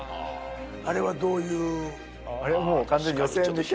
あれはどういう？